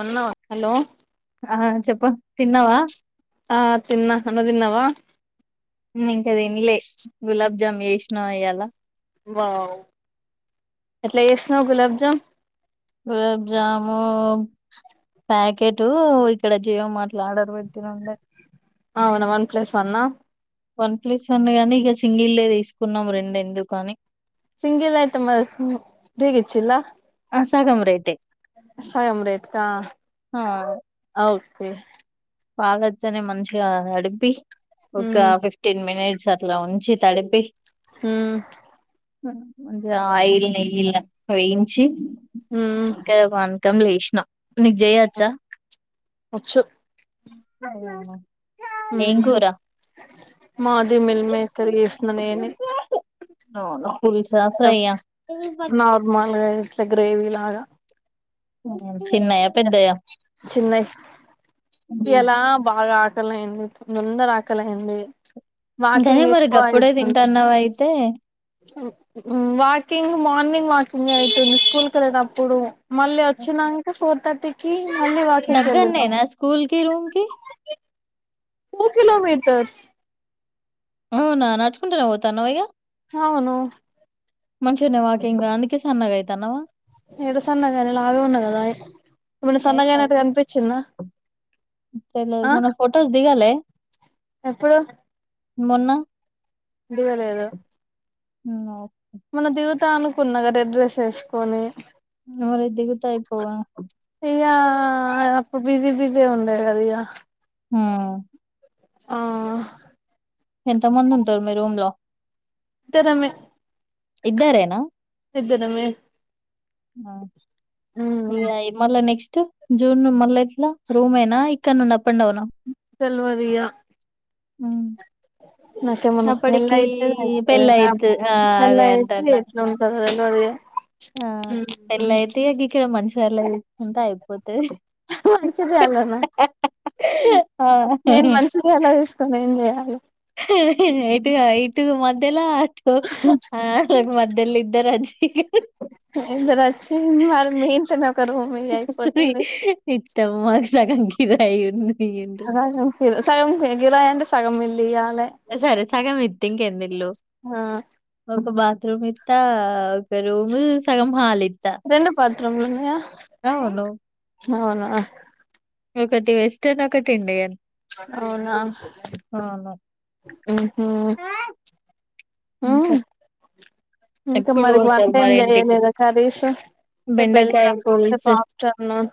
ఉన్నా హలో ఆ చెప్పు తిన్నావా ఆ తిన్నా నువ్వు తిన్నావా హు ఇంకా తినలే గులాబ్జామ్ చేస్ నువ్వోయలా వావ్ ఎట్ల చేసినావ్ గులాబ్ జామ్ గులాబ్ జాము ప్యాకెటు ఇక్కడ జియో మాట్ల ఆర్డర్ పెట్టిన అవునా one plus one one plus one గానీ ఇక సింగిలే తీసుకున్నాం రెండు ఎందుకని సింగిల్ అయితే మరి ఫ్రీగ్ ఇచ్చిందా సగం రేటే సగం రేట్ ఆ ఆవును [unintelligible] పాలొచ్చనే మంచిగా అడిపి ఒక ఉమ్ ఫిఫ్టీన్ మినిట్ చట్లా ఉంచి తడిపి హు హు ఆయిలీ నీల్గా వేయించి ఉమ్ చక్కగా పానకంల ఎషి న నీకు జేయచ్చా వచ్చు అవునా ఉమ్ ఎంకూరా మాది మిల్ మేకర్ చేసిన నేనే అవును పులుస ఫ్రైయా గ్రేవిలాగా ఓ చిన్నయా పెద్దయా చిన్నవి ఎలా బాగా ఆ ఆకలి అయంది తొందర ఆకలియింది ఇంకానే మరి గప్పుడే తింటన్నావ అయితే వాకింగ్ మార్నింగ్ వాకింగ్ అయితుంది స్కూల్ క వెళ్ళినప్పుడు మళ్ళీ వచ్చినాక ఫోర్ థర్టీకి మళ్ళీ వాకింగ్ కి వెళ్ళినాం దగ్గరనేేనా స్కూల్ కి రూమ్ కి టూ కిలోమీటర్స్ అవునా నడుచుకుంటనే పోతానవ ఇగ అవునూ మంచిగనే వాకింగు అందుకనే సన్నగ అయితానవా ఎడ సన్నగైన లావే ఉన్న గదా ఇప్పుడు సన్నగ అయినట్టు కనిపించిన్నా తెలీదు ఆ మొన్న ఫొటోస్ దిగాలే ఎప్పుడు మొన్నా దిగలేదు నోవ్ త్తా అనుకున్న గ రెడ్ డ్రస్ వేసుకొని నూరైయి దిగుతాయిపోవ ఇగా అప్పుడు బిజి బిజి ఉండే గద ఇగ హా ఆ ఎంత మంది ఉంటరు మీ రూమ్ లో ఇద్దరమే ఇద్దరేనా ఇద్దరమే ఆ ఇగా ఇ మళ్ళ నెక్స్ ట్ జూన్ మళ్ళ ఎట్లా రూమేనా ఇక్కడి నుండి అప్ అండ్ డౌనా తెల్వదిగా ఉమ్ నాకు ఏమన్నా పెళ్లి అయితే తెలుస్తది నాక్ పెళ్ళయితు ఆ పెళ్లయితే ఎట్లుంటదో తెల్ స్తది హ పెళ్లయితే గిక్కడ మంచి పెళ్లి చేసుకుంటే అయిపోద్ మంచిది అలోనా ఆ నేను మంచిదె ఎలో చేస్తా ఏం చేయాల ఇటు కాదు ఇటు మధ్యల ఆ మాద్దలు ఇద్దర అంచి ఇద్దరు వచ్చి మరి మీ ఇంట్లోనే ఒక రూమ్ ఇయ్యి అయిపోతది ఇద్ద మాకుసకం ఇదయి యున్ను అలగా అనిపియాలే సగం కే గిలాయి అంటే సగం మిలియా సరే సగం ఇ తిం ఎందుల్ హా ఒక బాత్రూమ్ ఇస్తా ఒక రూమ్ సగం హాల్ ఇ రెండు బాత్రూంలో ఉన్నాయా అవును. అవునా ఒకటి వెస్టర్న్ ఒకటి ఇండియన్ అవునా అవును. ఓహా ఇంకా ఇంకా ఎప్పుడు మరి పోతారు వన్టైం మరి ఇంటికి? చేయలేదా కర్రీసు రేపు బెండకాయ వెళ్తా రేపు పులుసు. ఆఫ్టర్నూన్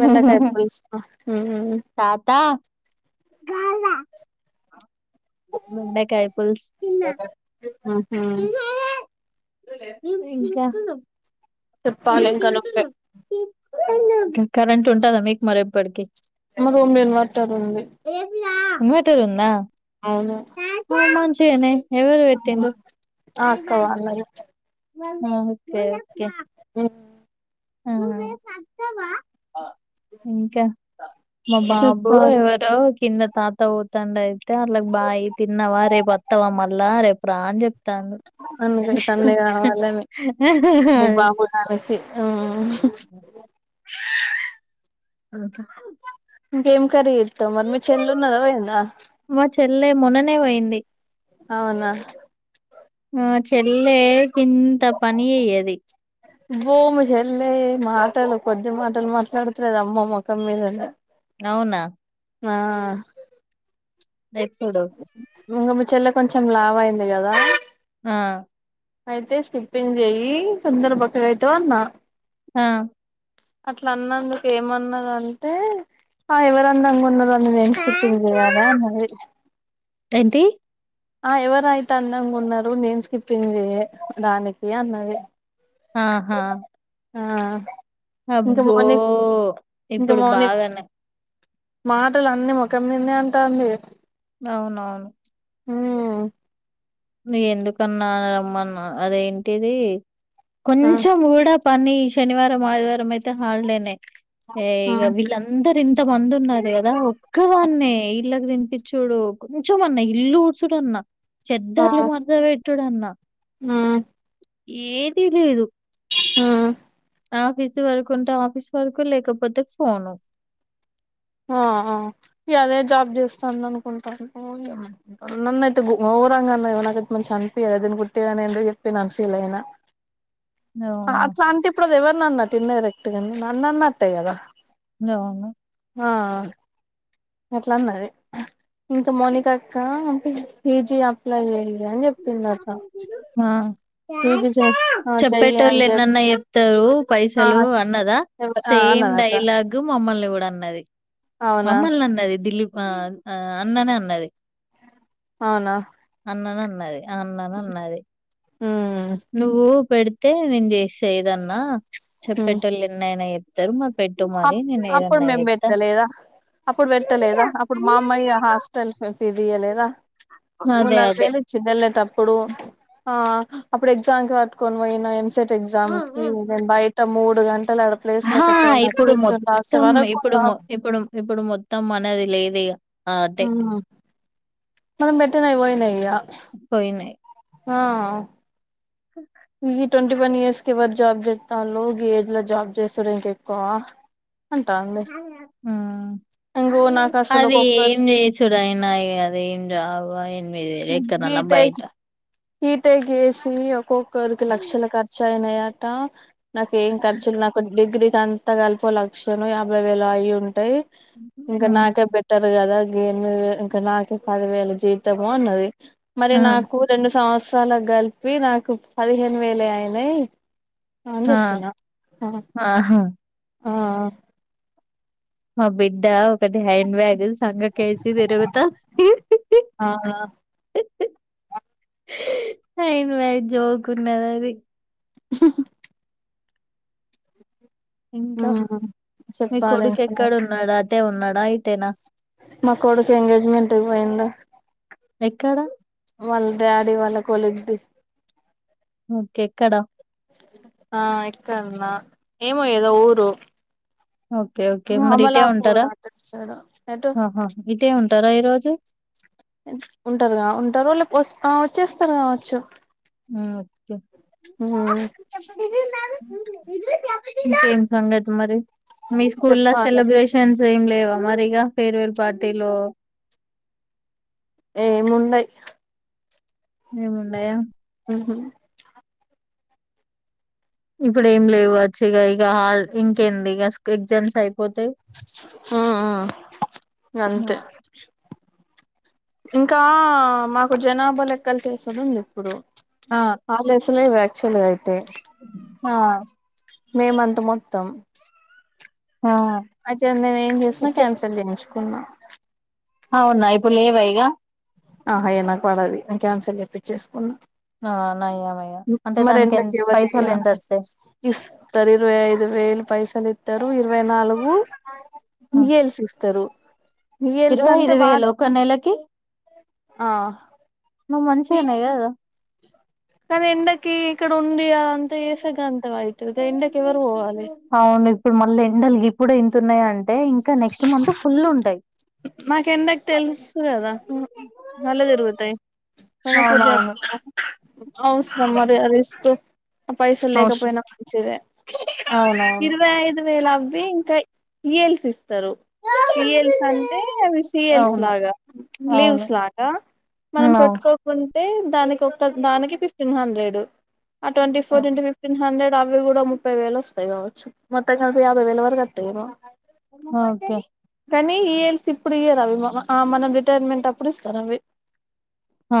బెండకాయ పులుసు ఉమ్ తాత కాళ్ళ బెండకాయ పులుసు తిన్న ఉమ్ హమ్ దు లే నువ్వు ఇంకా చెప్పాలి ఇంక నువ్వు కరెంట్ ఉంటదా మీకు మరెప్పటికీ రూమ్ ఇన్వర్టర్ ఉంది ఇన్వర్టర్ ఉందా అవును మంచిదేనే ఆక్కవా ఆ ఓకే ఓకే ఊ హమ్ ఇంకా మా బాబు చెప్పాలి. ఎవరో కింద తాత పోతాండు అర్లకి బాయి తిన్నవా రేపు పత్తవా మళ్ళా ప్రాజ తను అందుకే తనది కావాలని హా హా ఆహా హమ్ బూ [unintelligible] గేమ్ కర్రీ [unintelligible] మరి మీ చెల్లి ఉన్నద పోయిందా మా చెల్లె మొన్ననే [inaudible] అవునా మా చెల్లె ఇంత పని అయ్యది బోమి చెల్లె మాటలు కొద్ది మాటలు మాట్లాడతలేదు అమ్మ మొఖం మీదనే అవునా ఆ ఏప్పుడు చెల్ల కొంచెం లావు అయింది కదా ఆ అయితే స్కిప్పింగ్ చేయి తొందర బక్కగా అయితావ్ అన్న ఆ అట్లా అన్నందుకు ఏమన్నద అంటే ఆ ఎవరందంగా ఉన్నారని నేను స్కిప్పింగ్ చేయాలి అన్నది ఏంటి ఆ ఎవరయితే అందంగా ఉన్నారు నేను స్కిప్పింగ్ చేయడానికి అన్నది ఆహా ఆ ఇంకా అబ్బో మౌని ఇంకా ఇప్పుడు మౌని బాగానే మాటలు అన్ని ముఖం మీదనే అంటాంది అవునవును హమ్ ఎందుకన్నా రమ్మన్నా అదేంటిది ఆ కొంచం గూడ పని శనివారం ఆదివారం అయితే హాలిడే ఏ ఇగా ఆ వీళ్ళందరూ ఇంత మంది ఉన్నారు కదా ఒక్కదాన్నే ఇళ్ళకి తినిపించుడు కొంచెం అన్న ఇల్లు కూడ్చుడు అన్న చె ఆ మడత పెట్టుడు అన్న ఏది లేదు మ్మ్ ఆఫీస్ వరకు ఉంటే ఆఫీస్ వరకు లేకపోతే ఫోను ఆ అదే జాబ్ చేస్తాంది అనుకుంటాను ఏమో నన్ను అయితే గోరంగాన్నా నాకతే మంచి చనిపిచాలదని గుట్టిగానిందుకు చెప్పి న ఫీల్ అయినా అవును అట్లా అంటే ఇప్పుడు అది ఎవరీ అన్నట్టు ఇండైరెక్ట్ నాను అన్నటేకథ [unintelligible] ఆ అట్లాన్నది ఇంకా మోనికా అక్క ఈజీ అప్లై అయ్యి పీజీ చెయ్ ఆ చెయ్యి చెప్పేటోళ్లు అని చెప్ ఎన్నన్నా చెప్తారు ఆ పైసలు అన్నదా ఆ సేమ్ అన్నదట డైలాగ్ మమ్మల్ని కూడా అన్నది అవునా మమ్మల్ని అన్నది దిలీప్ అన్ననే అన్నది అవునా అన్నద దె అ అన్నాను ఉన్నది. మ్మ్ నువ్వు పెడితే నేను చేసే ఏదన్నా మ్మ్ చెప్పేట వాళ్ళ ఎన్నయన తరుమ అప్పుడు మేం పెట్టలేదా, అప్పుడు పెట్టలేదా అప్పుడు మా అమ్మాయి హాస్టల్ తియలేదా మూడు అదే నాలుగు అదే వేలు ఇచ్చిందిల్లే తప్పు ఇప్పుడు ఆ అప్పుడు ఎగ్జామ్ క కట్టుకొని పోయిన ఎ టెట్ ఎగ్జామ్ కి నేను బయట మూడు గంటలు ఆడ ప్లేస్ హా లేకపోయినా ఇప్పుడు కూర్చొని రాసే మొత్తం వరకు ఇప్పుడు నా ఇప్పుడు ఇప్పుడు మొత్తం అనది లేదె. ఆ అటె ఉమ్ మనం బెట్టనయి పోయినయి ఇంక పోయినాయి ఆ ఈ ట్వంటీ వన్ ఇయర్స్ క వర జాబ్ చేస్తాలో, ఏజ్ లో జాబ్ చేస్తాడా ఇంక ఎక్కువ. అంటాంది ఇంగో నాకు అసలు అది ఒక్కొక్కరు ఏం చేసడు అయనా అదేం జాబో ఇక ద ఎక్కన్నాన్న బయిత హీట గేసి ఒకక్క ఒక్కోలకి లక్షల ఖర్చు అయినాయి అట నాకేం ఖర్చులు నా కొం డిగ్రీ ఇది అంత కలిపి ఓ లక్షనో, యాభై వేలో అయి ఉంటాయి. ఇంకా ఉమ్. నాకే బెటర్ కదా గివి ఎనిమిది వేలు ఇంకా నాకె పదివేల జీతం. మో అన్నది మరి ఆ, నాకు రెండు సంసవ్ అలా కలిపి నాకు పదిహేను వేలే అయినై. ఆ ఆహా ఆ ఆ మా బిడ్డ పెద్ద హ్యాండ్ బ్యాగులు సంక కేసి తిరుగుత ఉంది. ఆ అవునా హ్యాండ్ బ్యాగ్ జోకు ఉన్నది అది ఉహు హ్ ఇంకా ఉమ్ మీ చెప్పాలి కొడుకు ఇంకా ఎక్కడన్నాడు అద్ అటే ఉన్నాడా ఇటేన మా కొడుకు ఎంగేజ్మెంట్ కు పోయిండు ఎక్కడ వాళ్ళ డాడీ వాళ్ళ కొలీగ్ ది ఓకే ఎక్కడా ఆ ఎక్కడన ఏమో ఏదో ఊరు ఓకే ఓకే మరి ఇటే అమలాపూర్ ఉంటారా అటు సైడ్ ఎటు ఆహా ఇటే ఉమ్ ఉంటారా ఈ రోజు ఉంటారు గావ ఉంటారో లే పో ఆ వచ్చేస్తారు కావచ్చు ఉమ్ ఒక్కే ఉమ్ ఇంకేం సంగతి మరి మీ స్కూల్ ల చెప్పాలి సెలబ్రేషన్స్ ఏం లేవ తమరిగ ఫేర్వెల్ పార్టీలో ఏముండై ఏముండయ ఉహు ఇప్పుడ ఏం లేవచ్చు ఇక ఇక హాల్ ఇంకేంది ఇక ఎగ్జామ్స్ అయిపో ఉ ఉ ఆ! అంతే ఇంకా మాకు జనాభా లెక్కలు చేసుడుంది ఇప్పుడు ఆ! ఆగస్టు పులే వ్యా చల అయితే ఆ మేమంత మొత్తం ఆ! అయితే మేం ఏం చేసిన కన్సల్ చేయించి కున్నా అవునా ఇప్పుడు లేవా ఇగా ఆహా ఏం నాకు పడది నేను క్యాన్సల్ చెప్పించేసుకున్నా ఆ నయం మరింతకీ ఎవరికి వస్తాయి తెలియదా ఇరువై ఐదు వేలు పైసలు ఇ ఇరవై నాలుగు ఉమ్. ఈయల్సి ఇస్తరు ఇరవై ఐదు వేలు ఒక నెలకి ఆ నువ్ మంచిగున్నై కదా కానీ ఎండ కి కీ ఇక్కడ ఉందిగా అంత చేసాగా అంత వైట్ ఎండకి ఎవరు పోవాలి అవును ఇప్పుడు మళ్ళీ ఎండల్ గిప్పుడే ఇంతున్నయ్ అన్ అంటే ఇంకా నెక్స్ట్ మంత్ ఫుల్లు ఉంటయ్ నాకు ఎండకు తెలుసు కదా కళ్ళు తిరుగుతయి అవునవును అవసరమా రిస్క్ ఆ పైసల్ అవస- లేకపోయినా మంచిదే అవునవును ఇరవై ఐదు వేలు అవ్వి ఇంకా ఈయల్స్ ఇస్తరు ఈయల్స్ అన్ టే అవి సీయల్స్ అవును లాగా అవును లీవ్స్ లాగా మనం ఉమ్, పెట్టుకోకున్ అంటే దానికి ఒక్క దానికి ఫిఫ్టీన్ హండ్రెడ్ ఆ ట్వంటి ఫోర్ అవును ఇంటూ ఫిఫ్టీన్ హండ్రెడ్ అవి కూడా ముప్పై వేలు వస్తయ్ కావచ్చు మొత్తం కలిపి యాభై వేల వరకు అత్తయ్ ఏమో ఓకే ఎన్ని ఈయల్స్ ఇప్పుడియ్యరవి మమ ఆ మనం రిటైర్మెంట్ అప్పుడు ఇస్తరవి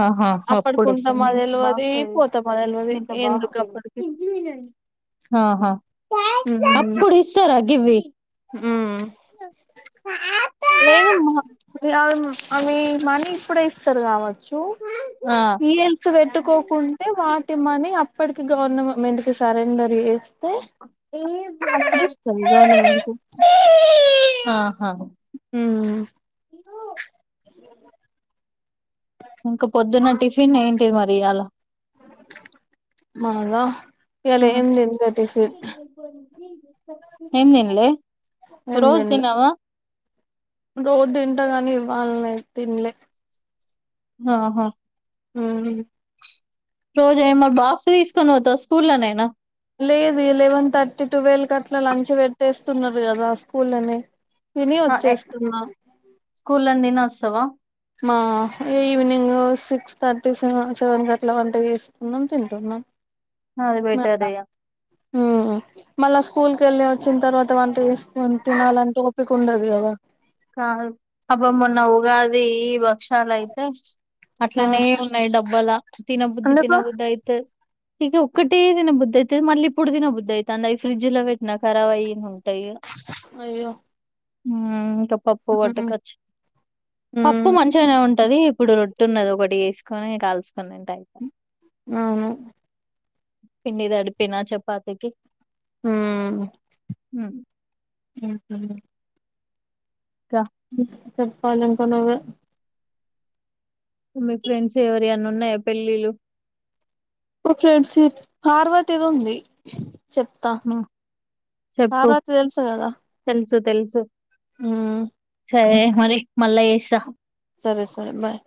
ఆ హా అప్పుడు ఇస్తది తెల్వది పోతామా తెల్వది బాగా ఎందుకు అప్పటికి ఆ హా ఉహు గివ్వి ఊ లేదు మా అవి మనీ ఇప్పుడే ఇస్తరు కావ చు ఆ మీల్స్ పెట్టుకోకుంటే వాటిమని అ ఇప్పటికి గవర్నమెంట్ కి సరెండర్ ఏసి అప్పుడు వస్తది గవర్నమెంట్ ఉమ్ ఆహా ఇయ్య ఇంకా పొద్దున్న టిఫిన్ ఏంటి మరి అలా మాల ఇవాళ ఏం తీన్లే టిఫిన్ ఏం తినలే ఒక ఏం రోజు తినలే తినవా రోజు తింట కాని ఇవాళ్లే తినలే ఆహా ఉహు రోజు ఏమో బాక్స్ తీసుకొని పోతావా స్కూల్లోనైనా లేదే లెవెన్ థర్టీ ట్వీలివ్ కు అట్లా లంచ్ పెట్టేస్తున్నారు కదా స్కూల్ లనే ఆ ఏ స్కూల్ లో నే తిని వస్ తావా మా ఈవినింగ్ సిక్స్ థర్టీ సెవెన్ కట్లా వంట చేసుకుందం తింటున్నాం అది బెటర్ మల్లా ఇగ ఆ మల్లా స్కూల్ క వెళ్ళి వచ్చిన తర్వాత వంట తీసుకొని తినాలంటే ఓపిక ఉండదు కదా కా అబ్బ మొన్న ఉగాది వ క్షాలు అయితే ఆ అట్లనే ఉన్నాయి డబ్బాల తినబుద్ధి ఎందుకు తినబుద్ధి అయితే ఇక ఒకటే తిన బుద్ి అయితే మళ్ళ ఇప్పుడు తిన బుద్ి అవుతుంది ఇ ఫ్రిడ్జ్ లో పెట్టినాక ఖరబ్ అయిన అయ్యో ఆమ్ పప్పు ఉమ్ వటుకొచ్చి ఉమ్ పప్పు మంచిగానే ఉంటది ఇప్పుడు రొట్ట ఉన్నది ఒకటి తీసుకొని కాల్సు న్నంట ఇక అవును పిండి తడిపిన చపాాతిీకి హ ఉమ్, ఉ ఇంకా చెప్పాలి ఇంకా నువ్వే మీ ఫ్రెండ్స్ ఎవరి అన్న ఉన్నాయా పెళ్ళిలు ఫ్రెండ్స్ప్ పార్వతీ ది ఉంది చెప్తా ఉమ్, పార్వతీ తెలుసు కదా తెల్సు ఆ సరే మరి మల్ల చేస్తా సరే సరే బాయ్